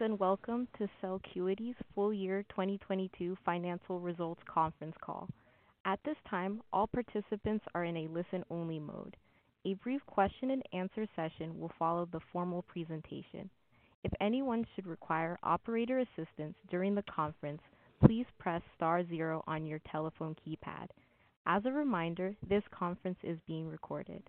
Welcome to Celcuity's Full Year 2022 financial results conference call. At this time, all participants are in a listen-only mode. A brief question and answer session will follow the formal presentation. If anyone should require operator assistance during the conference, please press star zero on your telephone keypad. As a reminder, this conference is being recorded.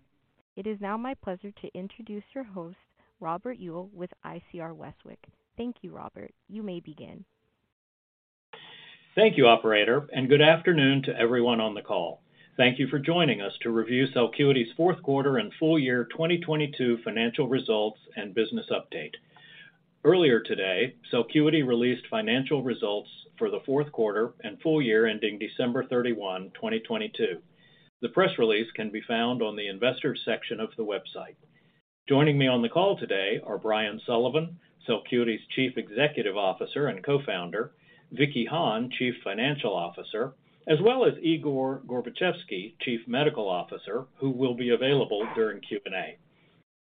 It is now my pleasure to introduce your host, Robert Uhl, with ICR Westwicke. Thank you, Robert. You may begin. Thank you, operator, and good afternoon to everyone on the call. Thank you for joining us to review Celcuity's fourth quarter and full year 2022 financial results and business update. Earlier today, Celcuity released financial results for the fourth quarter and full year ending December 31, 2022. The press release can be found on the investors section of the website. Joining me on the call today are Brian Sullivan, Celcuity's Chief Executive Officer and Co-founder, Vicky Hahne, Chief Financial Officer, as well as Igor Gorbatchevsky, Chief Medical Officer, who will be available during Q&A.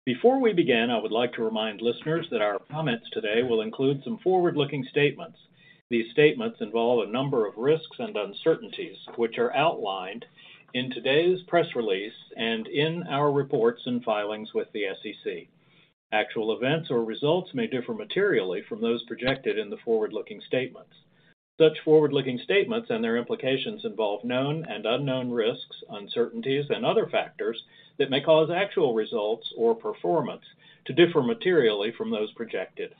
Before we begin, I would like to remind listeners that our comments today will include some forward-looking statements. These statements involve a number of risks and uncertainties, which are outlined in today's press release and in our reports and filings with the SEC. Actual events or results may differ materially from those projected in the forward-looking statements. Such forward-looking statements and their implications involve known and unknown risks, uncertainties, and other factors that may cause actual results or performance to differ materially from those projected.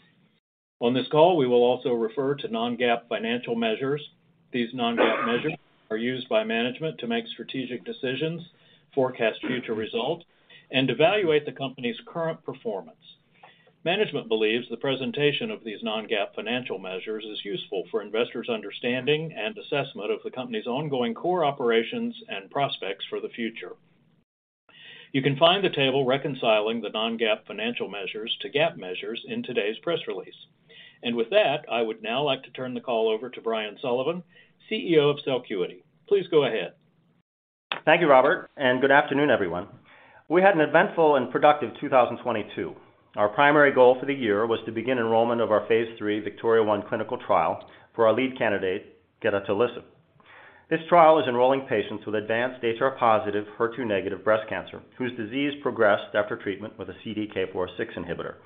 On this call, we will also refer to non-GAAP financial measures. These non-GAAP measures are used by management to make strategic decisions, forecast future results, and evaluate the company's current performance. Management believes the presentation of these non-GAAP financial measures is useful for investors' understanding and assessment of the company's ongoing core operations and prospects for the future. You can find the table reconciling the non-GAAP financial measures to GAAP measures in today's press release. With that, I would now like to turn the call over to Brian Sullivan, CEO of Celcuity. Please go ahead. Thank you, Robert. Good afternoon, everyone. We had an eventful and productive 2022. Our primary goal for the year was to begin enrollment of our phase III VIKTORIA-1 clinical trial for our lead candidate, gedatolisib. This trial is enrolling patients with advanced HR-positive, HER2-negative breast cancer, whose disease progressed after treatment with a CDK4/6 inhibitor.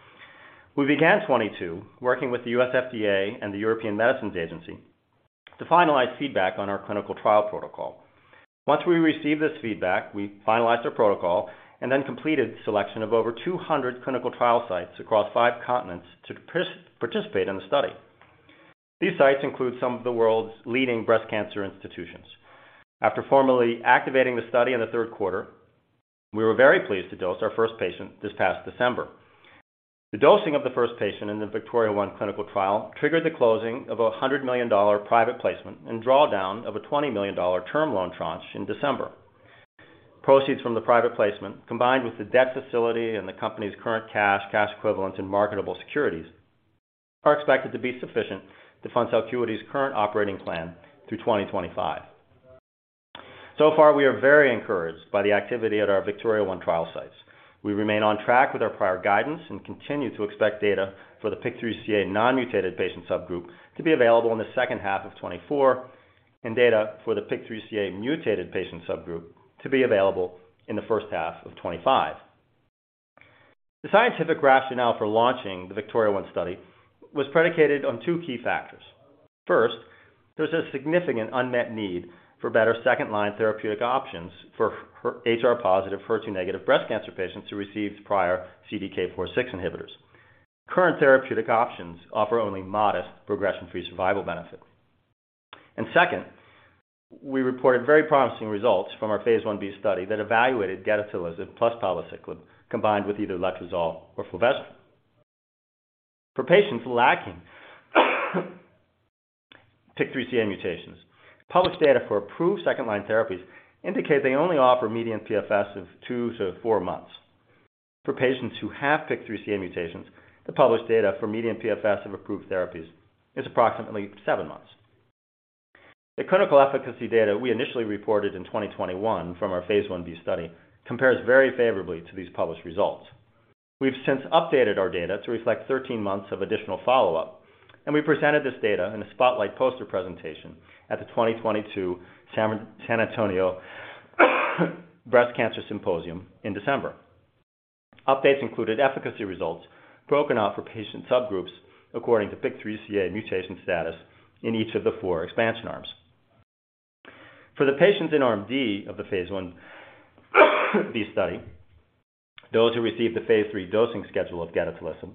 We began 2022 working with the U.S. FDA and the European Medicines Agency to finalize feedback on our clinical trial protocol. Once we received this feedback, we finalized our protocol and then completed selection of over 200 clinical trial sites across five continents to participate in the study. These sites include some of the world's leading breast cancer institutions. After formally activating the study in the third quarter, we were very pleased to dose our first patient this past December. The dosing of the first patient in the VIKTORIA-1 clinical trial triggered the closing of a $100 million private placement and drawdown of a $20 million term loan tranche in December. Proceeds from the private placement, combined with the debt facility and the company's current cash equivalents, and marketable securities, are expected to be sufficient to fund Celcuity's current operating plan through 2025. We are very encouraged by the activity at our VIKTORIA-1 trial sites. We remain on track with our prior guidance and continue to expect data for the PIK3CA non-mutated patient subgroup to be available in the second half of 2024 and data for the PIK3CA mutated patient subgroup to be available in the first half of 2025. The scientific rationale for launching the VIKTORIA-1 study was predicated on two key factors. First, there's a significant unmet need for better second-line therapeutic options for HR-positive, HER2-negative breast cancer patients who received prior CDK4/6 inhibitors. Current therapeutic options offer only modest progression-free survival benefit. Second, we reported very promising results from our phase IB study that evaluated gedatolisib plus palbociclib combined with either letrozole or fulvestrant. For patients lacking PIK3CA mutations, published data for approved second-line therapies indicate they only offer median PFS of two to four months. For patients who have PIK3CA mutations, the published data for median PFS of approved therapies is approximately seven months. The clinical efficacy data we initially reported in 2021 from our phase IB study compares very favorably to these published results. We've since updated our data to reflect 13 months of additional follow-up. We presented this data in a spotlight poster presentation at the 2022 San Antonio Breast Cancer Symposium in December. Updates included efficacy results broken out for patient subgroups according to PIK3CA mutation status in each of the four expansion arms. For the patients in arm D of the phase IB study, those who received the phase III dosing schedule of gedatolisib,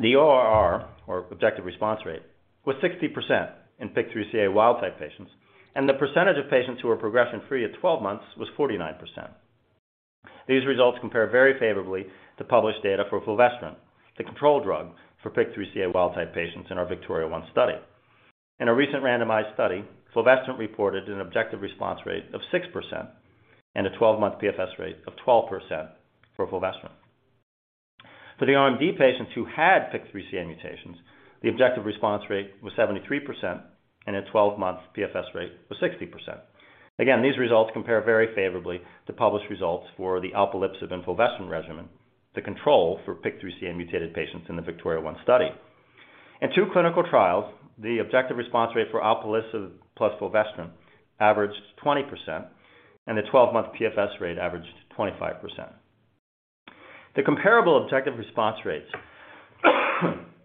the ORR, or objective response rate, was 60% in PIK3CA wild type patients. The percentage of patients who were progression free at 12 months was 49%. These results compare very favorably to published data for fulvestrant, the control drug for PIK3CA wild type patients in our VIKTORIA-1 study. In a recent randomized study, fulvestrant reported an objective response rate of 6% and a 12-month PFS rate of 12% for fulvestrant. For the arm D patients who had PIK3CA mutations, the objective response rate was 73%. A 12-month PFS rate was 60%. Again, these results compare very favorably to published results for the alpelisib and fulvestrant regimen to control for PIK3CA mutated patients in the VIKTORIA-1 study. In two clinical trials, the objective response rate for alpelisib plus fulvestrant averaged 20% and the 12-month PFS rate averaged 25%. The comparable objective response rates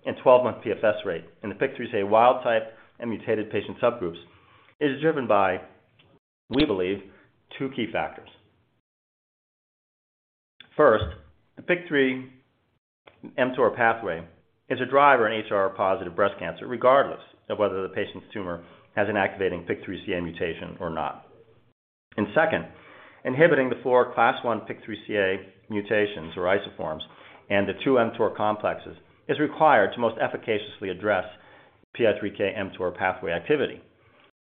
and 12-month PFS rate in the PIK3CA wild-type and mutated patient subgroups is driven by, we believe, two key factors. First, the PI3K/mTOR pathway is a driver in HR-positive breast cancer, regardless of whether the patient's tumor has an activating PIK3CA mutation or not. Second, inhibiting the four class one PIK3CA mutations or isoforms and the two mTOR complexes is required to most efficaciously address PI3K/mTOR pathway activity.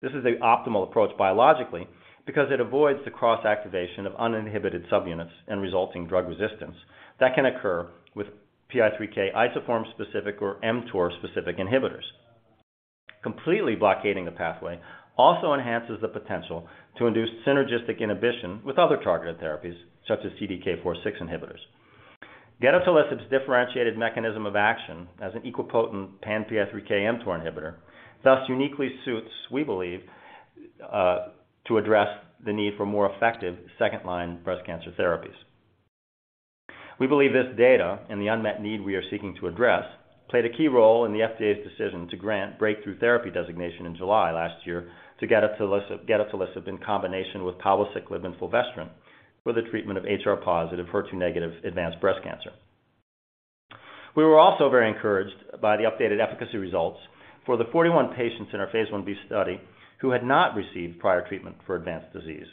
This is the optimal approach biologically because it avoids the cross-activation of uninhibited subunits and resulting drug resistance that can occur with PI3K isoform-specific or mTOR-specific inhibitors. Completely blockading the pathway also enhances the potential to induce synergistic inhibition with other targeted therapies such as CDK4/6 inhibitors. Gedatolisib's differentiated mechanism of action as an equipotent pan-PI3K/mTOR inhibitor thus uniquely suits, we believe, to address the need for more effective second-line breast cancer therapies. We believe this data and the unmet need we are seeking to address played a key role in the FDA's decision to grant Breakthrough Therapy designation in July last year to gedatolisib in combination with palbociclib and fulvestrant for the treatment of HR-positive, HER2-negative advanced breast cancer. We were also very encouraged by the updated efficacy results for the 41 patients in our phase Ib study who had not received prior treatment for advanced disease.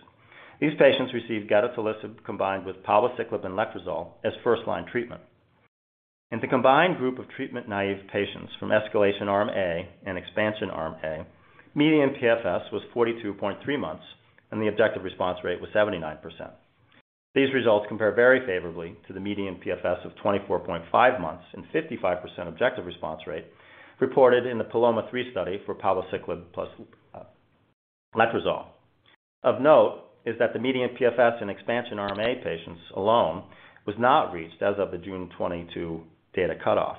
These patients received gedatolisib combined with palbociclib and letrozole as first-line treatment. In the combined group of treatment-naive patients from escalation arm A and expansion arm A, median PFS was 42.3 months, and the objective response rate was 79%. These results compare very favorably to the median PFS of 24.5 months and 55% objective response rate reported in the PALOMA-3 study for palbociclib plus letrozole. Of note is that the median PFS in expansion arm A patients alone was not reached as of the June 22 data cutoff.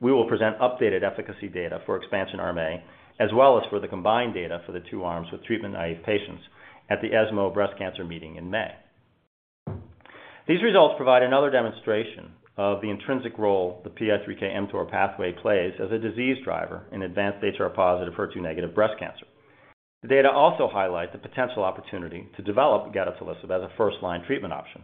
We will present updated efficacy data for expansion arm A as well as for the combined data for the two arms with treatment-naive patients at the ESMO Breast Cancer Congress in May. These results provide another demonstration of the intrinsic role the PI3K/mTOR pathway plays as a disease driver in advanced HR-positive, HER2-negative breast cancer. The data also highlight the potential opportunity to develop gedatolisib as a first-line treatment option.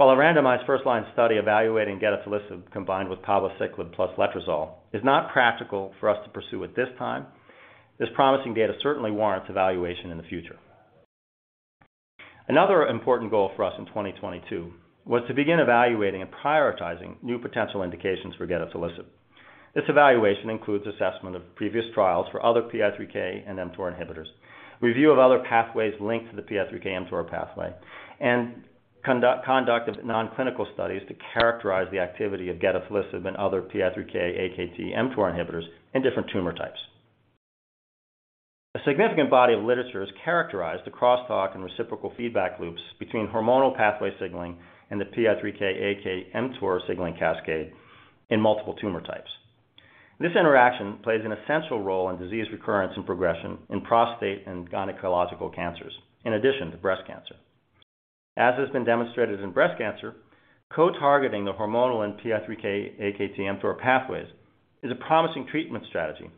While a randomized first line study evaluating gedatolisib combined with palbociclib plus letrozole is not practical for us to pursue at this time, this promising data certainly warrants evaluation in the future. Another important goal for us in 2022 was to begin evaluating and prioritizing new potential indications for gedatolisib. This evaluation includes assessment of previous trials for other PI3K and mTOR inhibitors, review of other pathways linked to the PI3K/mTOR pathway, and conduct of non-clinical studies to characterize the activity of gedatolisib and other PI3K/AKT/mTOR inhibitors in different tumor types. A significant body of literature has characterized the crosstalk and reciprocal feedback loops between hormonal pathway signaling and the PI3K/AKT/mTOR signaling cascade in multiple tumor types. This interaction plays an essential role in disease recurrence and progression in prostate and gynecological cancers, in addition to breast cancer. As has been demonstrated in breast cancer, co-targeting the hormonal and PI3K/AKT/mTOR pathways is a promising treatment strategy,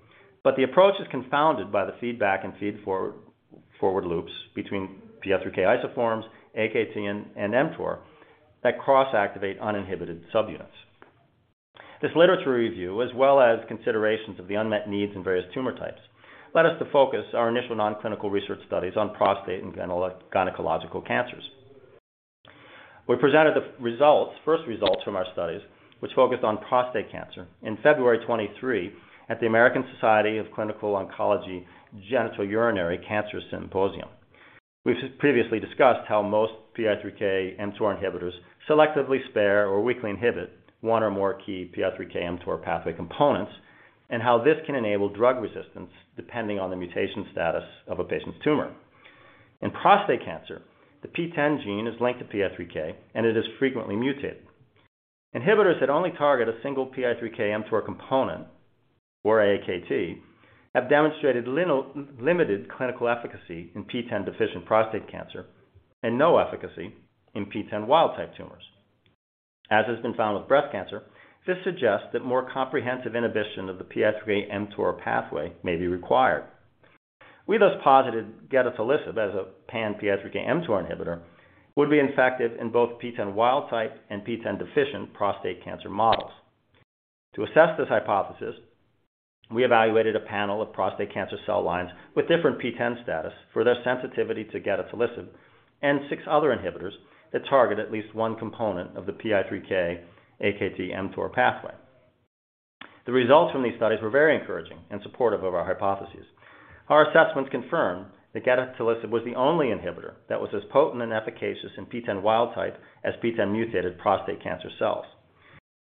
but the approach is confounded by the feedback and feed forward loops between PI3K isoforms, AKT and mTOR that cross-activate uninhibited subunits. This literature review, as well as considerations of the unmet needs in various tumor types, led us to focus our initial non-clinical research studies on prostate and gynecological cancers. We presented the first results from our studies, which focused on prostate cancer in February 2023 at the ASCO Genitourinary Cancers Symposium. We've previously discussed how most PI3K/mTOR inhibitors selectively spare or weakly inhibit one or more key PI3K/mTOR pathway components and how this can enable drug resistance depending on the mutation status of a patient's tumor. In prostate cancer, the PTEN gene is linked to PI3K, and it is frequently mutated. Inhibitors that only target a single PI3K/mTOR component or AKT have demonstrated limited clinical efficacy in PTEN-deficient prostate cancer and no efficacy in PTEN wild-type tumors. As has been found with breast cancer, this suggests that more comprehensive inhibition of the PI3K/mTOR pathway may be required. We thus posited gedatolisib as a pan-PI3K/mTOR inhibitor would be effective in both PTEN wild-type and PTEN-deficient prostate cancer models. To assess this hypothesis, we evaluated a panel of prostate cancer cell lines with different PTEN status for their sensitivity to gedatolisib and six other inhibitors that target at least one component of the PI3K/AKT/mTOR pathway. The results from these studies were very encouraging and supportive of our hypothesis. Our assessments confirmed that gedatolisib was the only inhibitor that was as potent and efficacious in PTEN wild-type as PTEN-mutated prostate cancer cells.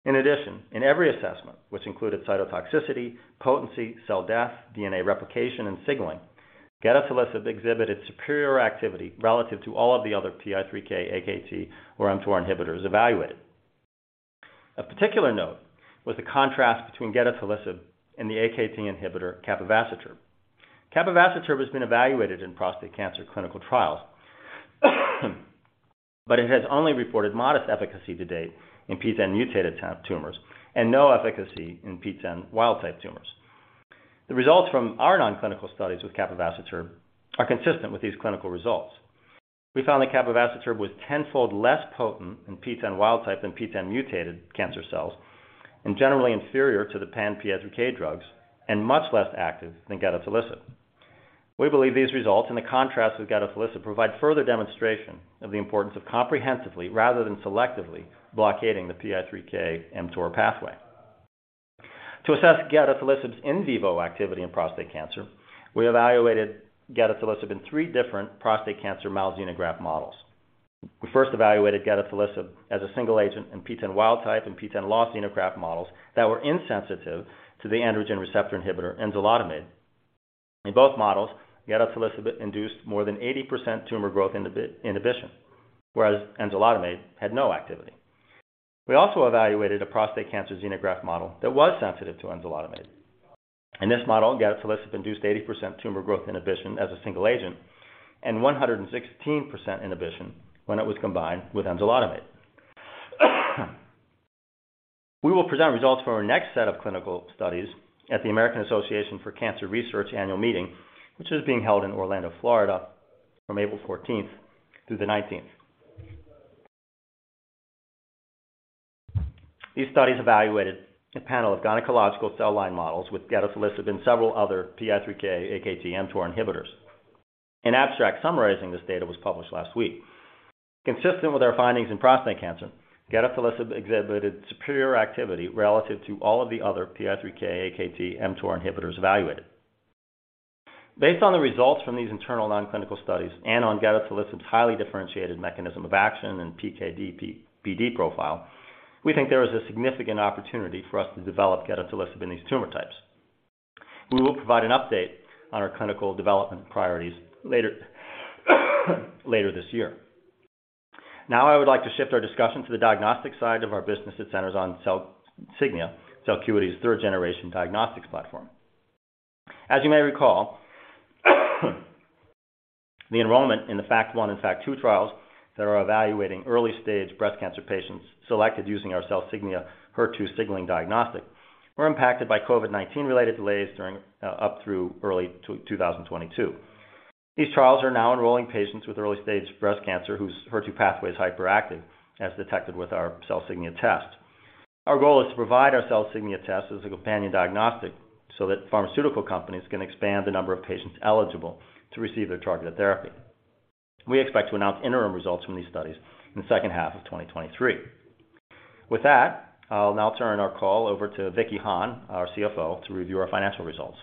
In addition, in every assessment, which included cytotoxicity, potency, cell death, DNA replication, and signaling, gedatolisib exhibited superior activity relative to all of the other PI3K, AKT or mTOR inhibitors evaluated. Of particular note was the contrast between gedatolisib and the AKT inhibitor capivasertib. Capivasertib has been evaluated in prostate cancer clinical trials, but it has only reported modest efficacy to date in PTEN-mutated tumors and no efficacy in PTEN wild-type tumors. The results from our non-clinical studies with capivasertib are consistent with these clinical results. We found that capivasertib was tenfold less potent in PTEN wild type than PTEN-mutated cancer cells and generally inferior to the pan PI3K drugs and much less active than gedatolisib. We believe these results and the contrast with gedatolisib provide further demonstration of the importance of comprehensively rather than selectively blockading the PI3K/mTOR pathway. To assess gedatolisib in vivo activity in prostate cancer, we evaluated gedatolisib in three different prostate cancer mouse xenograft models. We first evaluated gedatolisib as a single agent in PTEN wild-type and PTEN-loss xenograft models that were insensitive to the androgen receptor inhibitor enzalutamide. In both models, gedatolisib induced more than 80% tumor growth inhibition, whereas enzalutamide had no activity. We also evaluated a prostate cancer xenograft model that was sensitive to enzalutamide. In this model, gedatolisib induced 80% tumor growth inhibition as a single agent and 116% inhibition when it was combined with enzalutamide. We will present results for our next set of clinical studies at the American Association for Cancer Research annual meeting, which is being held in Orlando, Florida from April 14th through the 19th. These studies evaluated a panel of gynecological cell line models with gedatolisib and several other PI3K/AKT/mTOR inhibitors. An abstract summarizing this data was published last week. Consistent with our findings in prostate cancer, gedatolisib exhibited superior activity relative to all of the other PI3K, AKT, mTOR inhibitors evaluated. Based on the results from these internal non-clinical studies and on gedatolisib's highly differentiated mechanism of action and PK/PD profile, we think there is a significant opportunity for us to develop gedatolisib in these tumor types. We will provide an update on our clinical development priorities later this year. I would like to shift our discussion to the diagnostic side of our business that centers on CELsignia, Celcuity's third-generation diagnostics platform. As you may recall, the enrollment in the FACT-1 and FACT-2 trials that are evaluating early-stage breast cancer patients selected using our CELsignia HER2 signaling diagnostic were impacted by COVID-19 related delays up through early 2022. These trials are now enrolling patients with early stage breast cancer whose HER2 pathway is hyperactive as detected with our CELsignia test. Our goal is to provide our CELsignia test as a companion diagnostic so that pharmaceutical companies can expand the number of patients eligible to receive their targeted therapy. We expect to announce interim results from these studies in the second half of 2023. With that, I'll now turn our call over to Vicky Hahne, our CFO, to review our financial results.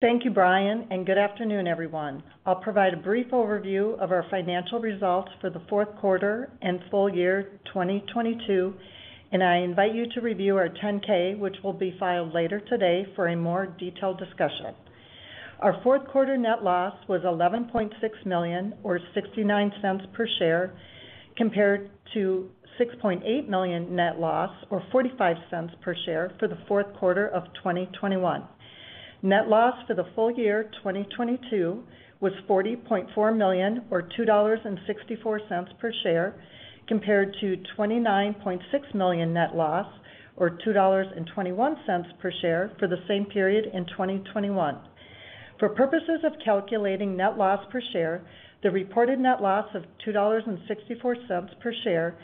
Thank you, Brian. Good afternoon, everyone. I'll provide a brief overview of our financial results for the fourth quarter and full year 2022. I invite you to review our 10-K, which will be filed later today for a more detailed discussion. Our fourth quarter net loss was $11.6 million or $0.69 per share, compared to $6.8 million net loss or $0.45 per share for the fourth quarter of 2021. Net loss for the full year 2022 was $40.4 million or $2.64 per share, compared to $29.6 million net loss or $2.21 per share for the same period in 2021. For purposes of calculating net loss per share, the reported net loss of $2.64 per share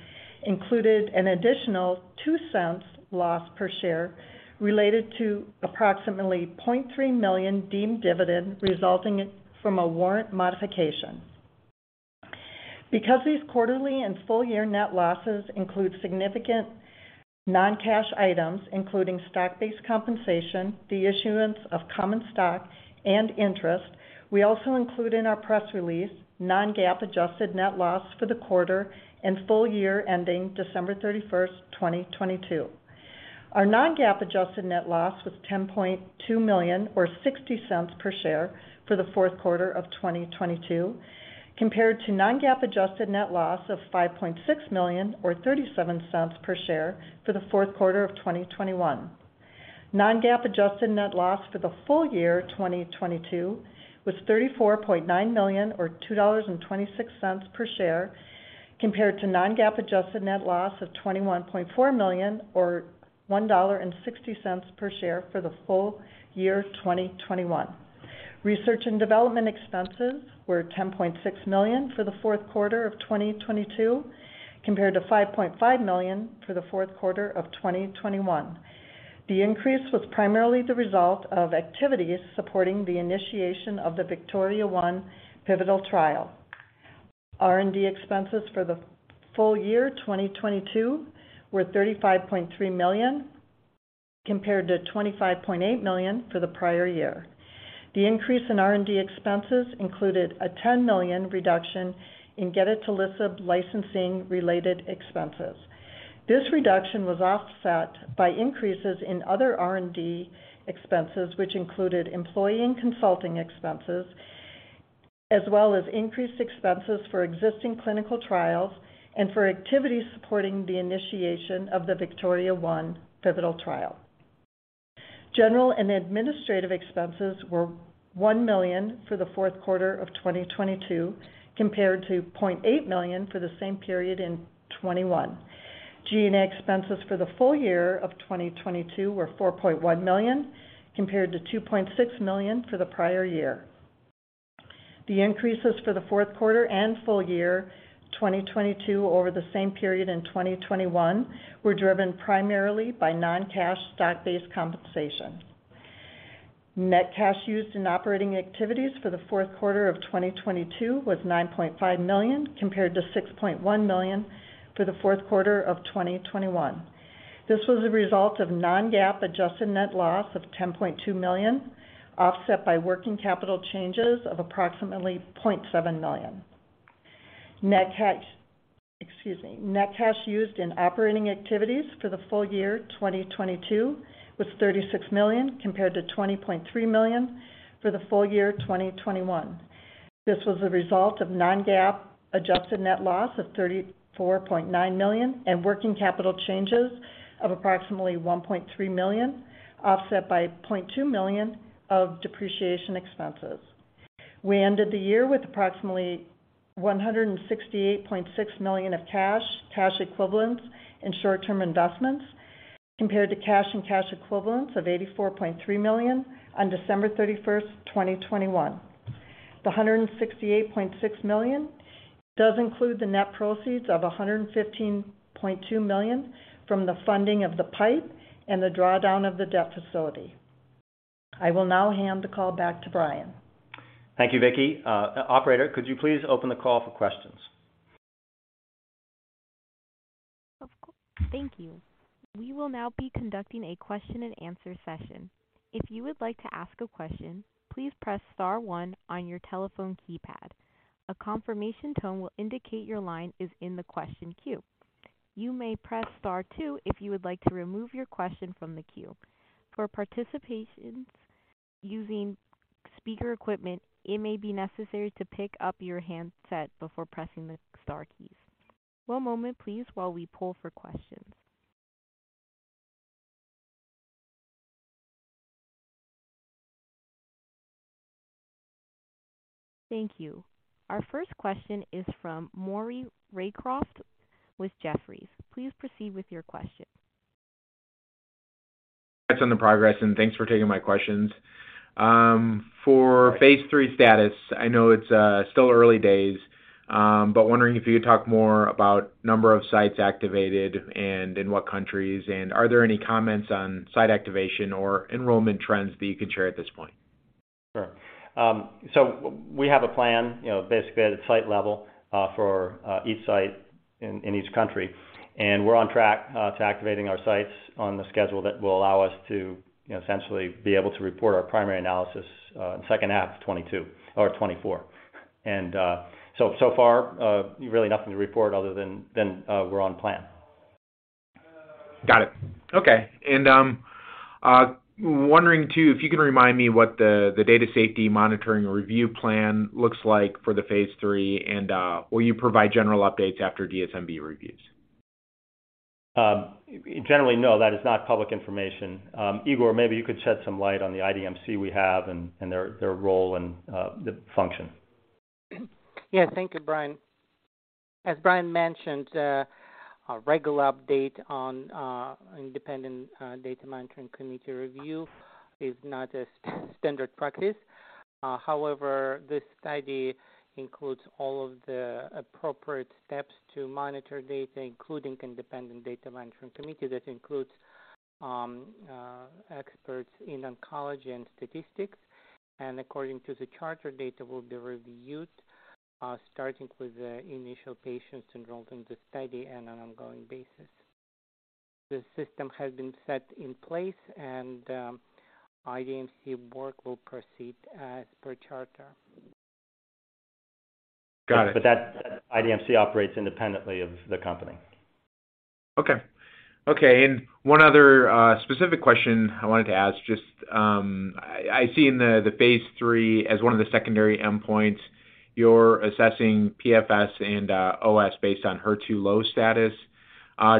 included an additional $0.02 loss per share related to approximately 0.3 million deemed dividend resulting from a warrant modification. Because these quarterly and full year net losses include significant non-cash items, including stock-based compensation, the issuance of common stock and interest, we also include in our press release non-GAAP adjusted net loss for the quarter and full year ending December 31st, 2022. Our non-GAAP adjusted net loss was $10.2 million or $0.60 per share for the fourth quarter of 2022, compared to non-GAAP adjusted net loss of $5.6 million or $0.37 per share for the fourth quarter of 2021. Non-GAAP adjusted net loss for the full year 2022 was $34.9 million or $2.26 per share, compared to non-GAAP adjusted net loss of $21.4 million or $1.60 per share for the full year 2021. Research and development expenses were $10.6 million for the fourth quarter of 2022, compared to $5.5 million for the fourth quarter of 2021. The increase was primarily the result of activities supporting the initiation of the VIKTORIA-1 pivotal trial. R&D expenses for the full year 2022 were $35.3 million compared to $25.8 million for the prior year. The increase in R&D expenses included a $10 million reduction in gedatolisib licensing related expenses. This reduction was offset by increases in other R&D expenses, which included employee and consulting expenses, as well as increased expenses for existing clinical trials and for activities supporting the initiation of the VIKTORIA-1 pivotal trial. General and administrative expenses were $1 million for the fourth quarter of 2022, compared to $0.8 million for the same period in 2021. G&A expenses for the full year of 2022 were $4.1 million, compared to $2.6 million for the prior year. The increases for the fourth quarter and full year 2022 over the same period in 2021 were driven primarily by non-cash stock-based compensation. Net cash used in operating activities for the fourth quarter of 2022 was $9.5 million, compared to $6.1 million for the fourth quarter of 2021. This was a result of non-GAAP adjusted net loss of $10.2 million, offset by working capital changes of approximately $0.7 million. Net cash. Excuse me. Net cash used in operating activities for the full year 2022 was $36 million compared to $20.3 million for the full year 2021. This was a result of non-GAAP adjusted net loss of $34.9 million and working capital changes of approximately $1.3 million, offset by $0.2 million of depreciation expenses. We ended the year with approximately $168.6 million of cash equivalents and short-term investments, compared to cash and cash equivalents of $84.3 million on December 31st, 2021. The $168.6 million does include the net proceeds of $115.2 million from the funding of the PIPE and the drawdown of the debt facility. I will now hand the call back to Brian. Thank you, Vicky. Operator, could you please open the call for questions? Thank you. We will now be conducting a question and answer session. If you would like to ask a question, please press star one on your telephone keypad. A confirmation tone will indicate your line is in the question queue. You may press star two if you would like to remove your question from the queue. For participants using speaker equipment, it may be necessary to pick up your handset before pressing the star keys. One moment please while we pull for questions. Thank you. Our first question is from Maury Raycroft with Jefferies. Please proceed with your question. That's on the progress and thanks for taking my questions. For phase III status, I know it's still early days, but wondering if you could talk more about number of sites activated and in what countries. Are there any comments on site activation or enrollment trends that you can share at this point? Sure. We have a plan, you know, basically at site level, for each site in each country. We're on track to activating our sites on the schedule that will allow us to, you know, essentially be able to report our primary analysis in second half of 2022 or 2024. So far, really nothing to report other than we're on plan. Got it. Okay. Wondering too, if you can remind me what the data safety monitoring review plan looks like for the phase III and, will you provide general updates after DSMB reviews? Generally, no, that is not public information. Igor, maybe you could shed some light on the IDMC we have and their role and the function. Yeah. Thank you, Brian. As Brian mentioned, a regular update on independent data monitoring committee review is not a standard practice. However, this study includes all of the appropriate steps to monitor data, including independent data monitoring committee that includes experts in oncology and statistics. According to the charter, data will be reviewed starting with the initial patients enrolled in the study on an ongoing basis. The system has been set in place and IDMC work will proceed as per charter. Got it. That IDMC operates independently of the company. Okay. Okay, and one other, specific question I wanted to ask. Just, I see in the phase III as one of the secondary endpoints, you're assessing PFS and OS based on HER2-low status.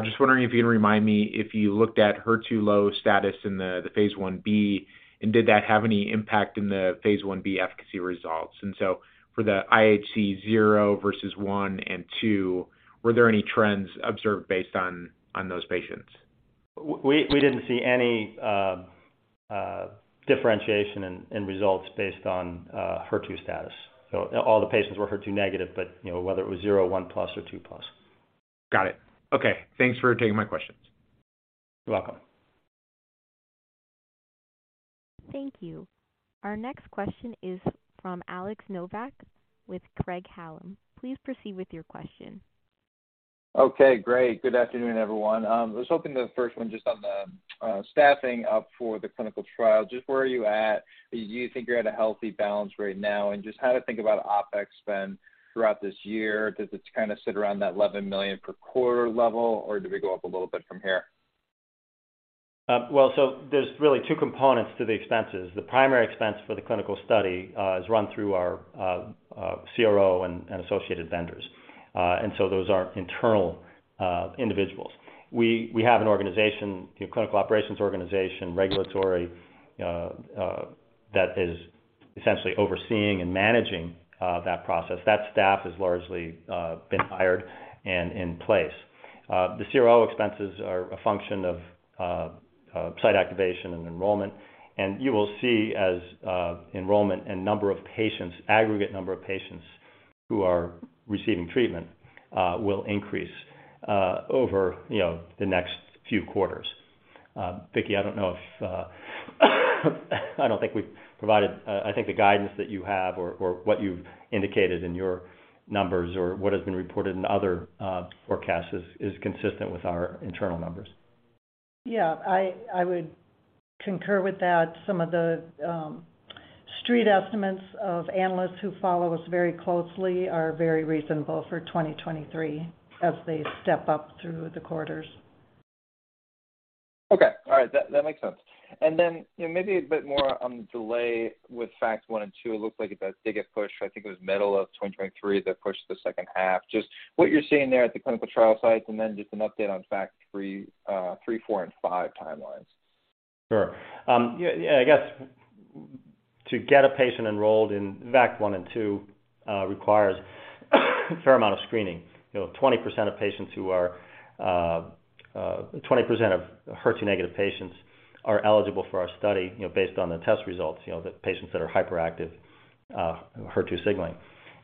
Just wondering if you can remind me if you looked at HER2-low status in the phase IB, and did that have any impact in the phase IB efficacy results? For the IHC 0 versus 1 and 2, were there any trends observed based on those patients? We didn't see any differentiation in results based on HER2 status. All the patients were HER2-negative, but, you know, whether it was 0, 1+ or 2+. Got it. Okay. Thanks for taking my questions. You're welcome. Thank you. Our next question is from Alex Nowak with Craig-Hallum. Please proceed with your question. Okay, great. Good afternoon, everyone. I was hoping the first one just on the staffing up for the clinical trial. Where are you at? Do you think you're at a healthy balance right now? How to think about OpEx spend throughout this year? Does it kinda sit around that $11 million per quarter level, or do we go up a little bit from here? There's really two components to the expenses. The primary expense for the clinical study is run through our CRO and associated vendors. Those aren't internal individuals. We have an organization, you know, clinical operations organization, regulatory that is essentially overseeing and managing that process. That staff has largely been hired and in place. The CRO expenses are a function of site activation and enrollment, and you will see as enrollment and number of patients, aggregate number of patients who are receiving treatment, will increase over, you know, the next few quarters. Vicky, I don't know if I don't think we've provided... I think the guidance that you have or what you've indicated in your numbers or what has been reported in other forecasts is consistent with our internal numbers. Yeah. I would concur with that. Some of the street estimates of analysts who follow us very closely are very reasonable for 2023 as they step up through the quarters. Okay. All right. That, that makes sense. You know, maybe a bit more on the delay with FACT-1 and FACT-2. It looks like that they get pushed, I think it was middle of 2023 that pushed the second half. Just what you're seeing there at the clinical trial sites, and then just an update on FACT-3, FACT-4 and FACT-5 timelines. Sure. I guess to get a patient enrolled in FACT-1 and FACT-2 requires a fair amount of screening. You know, 20% of patients who are 20% of HER2-negative patients are eligible for our study, you know, based on the test results, you know, the patients that are hyperactive HER2 signaling.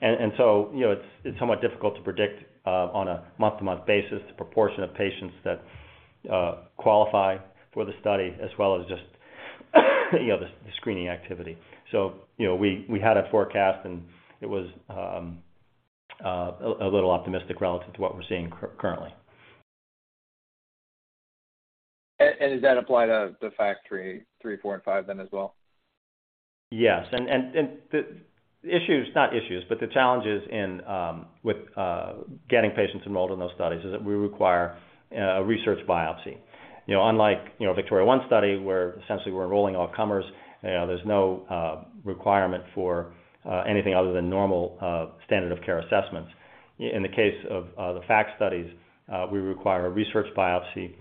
You know, it's somewhat difficult to predict on a month-to-month basis the proportion of patients that qualify for the study as well as just, you know, the screening activity. You know, we had a forecast, and it was a little optimistic relative to what we're seeing currently. Does that apply to the FACT-3, FACT-4 and FACT-5 then as well? Yes. The issues... Not issues, but the challenges in getting patients enrolled in those studies is that we require a research biopsy. You know, unlike, you know, VIKTORIA-1 study, where essentially we're enrolling all comers, you know, there's no requirement for anything other than normal standard of care assessments. In the case of the FACT studies, we require a research biopsy,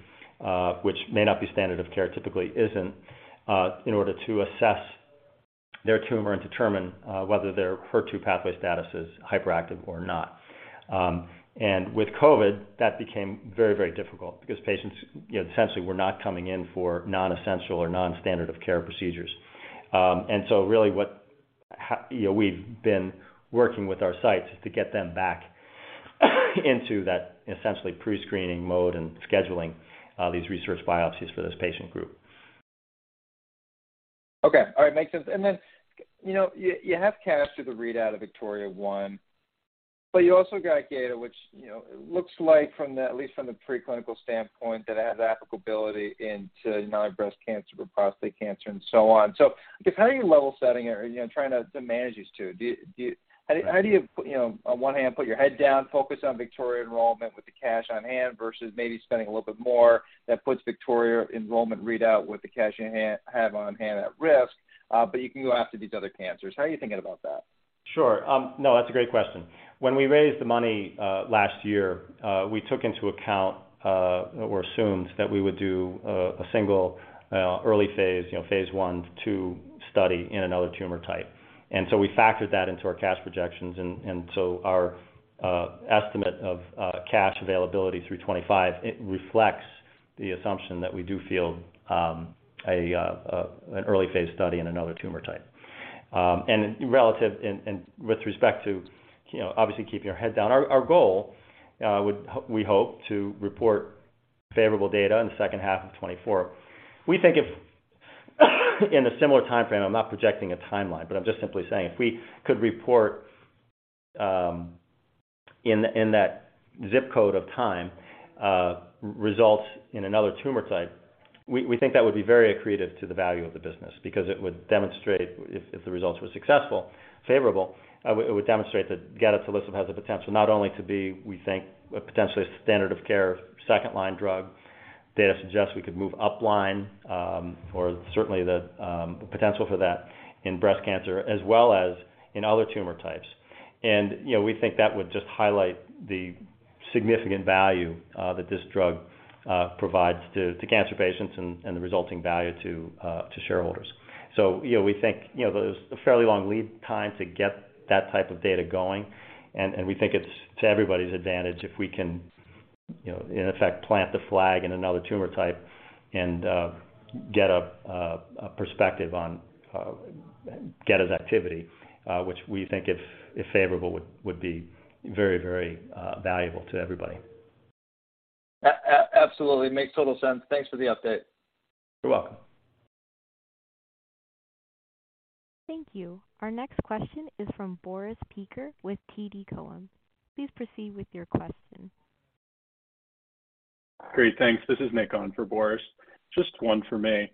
which may not be standard of care, typically isn't, in order to assess their tumor and determine whether their HER2 pathway status is hyperactive or not. With COVID, that became very, very difficult because patients, you know, essentially were not coming in for non-essential or non-standard of care procedures. Really, you know, we've been working with our sites is to get them back into that essentially pre-screening mode and scheduling these research biopsies for this patient group. Okay. All right. Makes sense. Then, you know, you have cash through the readout of VIKTORIA-1, but you also got data which, you know, looks like from the, at least from the preclinical standpoint, that it has applicability into non-breast cancer or prostate cancer and so on. Just how are you level setting or, you know, trying to manage these two? How do you know, on one hand, put your head down, focus on VIKTORIA-1 enrollment with the cash on hand versus maybe spending a little bit more that puts VIKTORIA-1 enrollment readout with the cash on hand at risk, you can go after these other cancers. How are you thinking about that? Sure. No, that's a great question. When we raised the money last year, we took into account or assumed that we would do a single early phase, you know, phase I to II study in another tumor type. We factored that into our cash projections, so our estimate of cash availability through 2025, it reflects the assumption that we do feel an early phase study in another tumor type. Relative with respect to, you know, obviously keeping our heads down, our goal, we hope to report favorable data in the second half of 2024. We think if in a similar timeframe, I'm not projecting a timeline, but I'm just simply saying, if we could report, in that ZIP code of time, results in another tumor type, we think that would be very accretive to the value of the business because it would demonstrate if the results were successful, favorable, it would demonstrate that gedatolisib has the potential not only to be, we think, a potentially standard of care second line drug, data suggests we could move upline, or certainly the potential for that in breast cancer as well as in other tumor types. You know, we think that would just highlight the significant value that this drug provides to cancer patients and the resulting value to shareholders. You know, we think, you know, there's a fairly long lead time to get that type of data going, and we think it's to everybody's advantage if we can, you know, in effect, plant the flag in another tumor type and get a perspective on gedatolisib's activity, which we think if favorable, would be very, very valuable to everybody. Absolutely. Makes total sense. Thanks for the update. You're welcome. Thank you. Our next question is from Boris Peaker with TD Cowen. Please proceed with your question. Great, thanks. This is Nick on for Boris. Just one for me.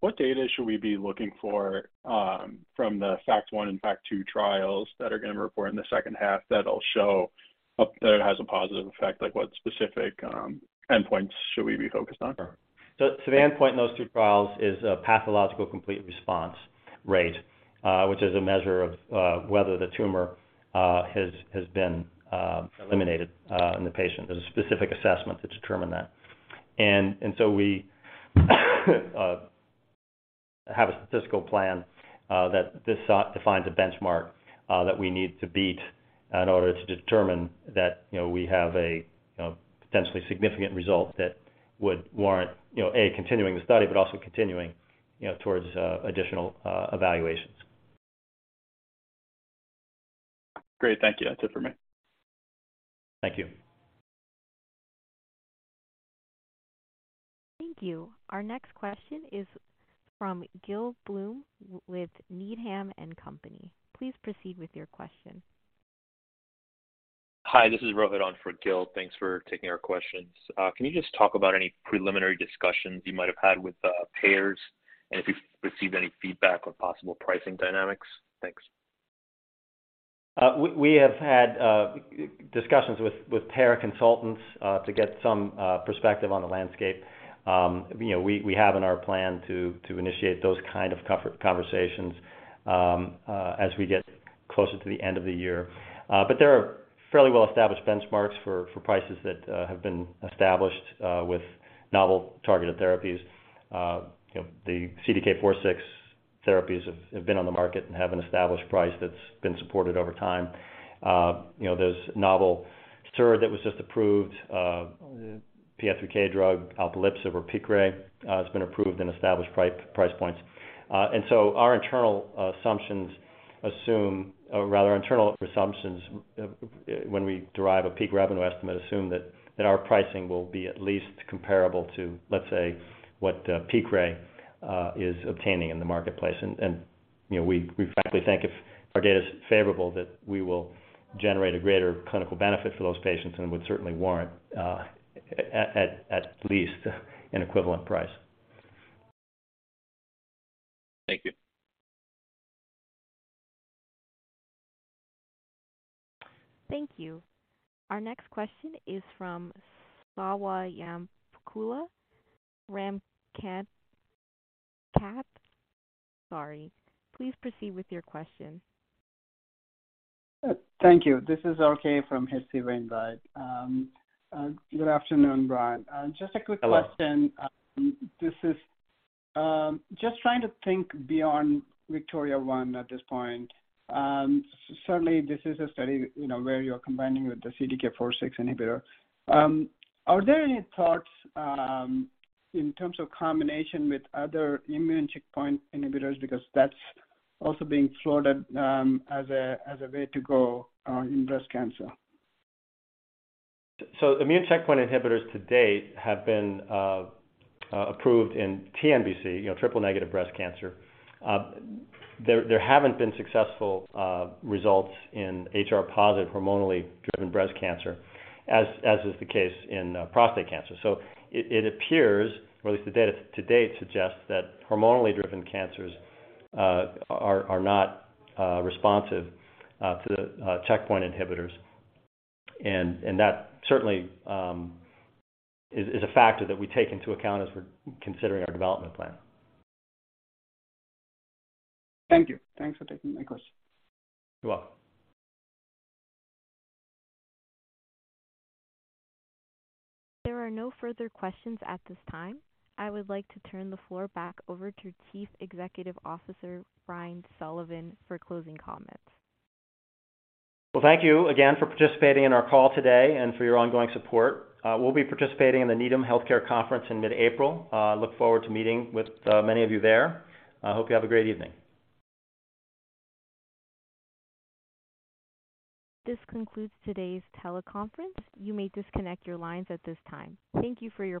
What data should we be looking for from the FACT-1 and FACT-2 trials that are gonna report in the second half that it has a positive effect? Like what specific endpoints should we be focused on? The endpoint in those two trials is a pathological complete response rate, which is a measure of whether the tumor has been eliminated in the patient. There's a specific assessment to determine that. We have a statistical plan that defines a benchmark that we need to beat in order to determine that, you know, we have a, you know, potentially significant result that would warrant, you know, continuing the study, but also continuing, you know, towards additional evaluations. Great. Thank you. That's it for me. Thank you. Thank you. Our next question is from Gil Blum with Needham & Company. Please proceed with your question. Hi, this is Rohit on for Gil. Thanks for taking our questions. Can you just talk about any preliminary discussions you might have had with payers and if you've received any feedback on possible pricing dynamics? Thanks. We have had discussions with payer consultants to get some perspective on the landscape. You know, we have in our plan to initiate those kind of conversations as we get closer to the end of the year. There are fairly well-established benchmarks for prices that have been established with novel targeted therapies. You know, the CDK4/6 therapies have been on the market and have an established price that's been supported over time. You know, there's novel SERD that was just approved. PI3K drug, alpelisib or Piqray, has been approved and established price points. Our internal assumptions assume... ...or rather internal assumptions, when we derive a peak revenue estimate, assume that our pricing will be at least comparable to, let's say, what, Piqray, is obtaining in the marketplace. You know, we frankly think if our data is favorable, that we will generate a greater clinical benefit for those patients and would certainly warrant, at least an equivalent price. Thank you. Thank you. Our next question is from Swayampakula Ramakanth. Sorry. Please proceed with your question. Thank you. This is RK from H.C. Wainwright. Good afternoon, Brian. Hello. Just a quick question. This is, just trying to think beyond VIKTORIA-1 at this point. Certainly this is a study, you know, where you're combining with the CDK4/6 inhibitor. Are there any thoughts, in terms of combination with other immune checkpoint inhibitors because that's also being floated, as a way to go, in breast cancer? Immune checkpoint inhibitors to date have been approved in TNBC, you know, triple negative breast cancer. There haven't been successful results in HR-positive hormonally driven breast cancer, as is the case in prostate cancer. It appears, or at least the data to date, suggests that hormonally driven cancers are not responsive to the checkpoint inhibitors. That certainly is a factor that we take into account as we're considering our development plan. Thank you. Thanks for taking my question. You're welcome. There are no further questions at this time. I would like to turn the floor back over to Chief Executive Officer Brian Sullivan for closing comments. Well, thank you again for participating in our call today and for your ongoing support. We'll be participating in the Needham Healthcare Conference in mid-April. Look forward to meeting with many of you there. Hope you have a great evening. This concludes today's teleconference. You may disconnect your lines at this time. Thank you for your participation.